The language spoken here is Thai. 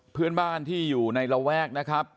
เพื่อนบ้านที่อยู่ในระแวกนะครับ